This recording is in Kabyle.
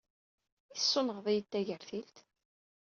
I tessunɣed-iyi-d tagertilt?